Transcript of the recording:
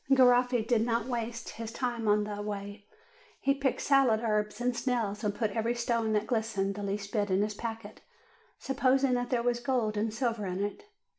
Garoffi did not waste his time on the way; he picked salad herbs and snails, and put every stone that glistened the least bit into his packet, supposing that there was gold and silver in it.